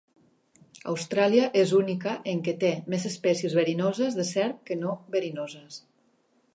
Austràlia és única en què té més espècies verinoses de serp que no verinoses.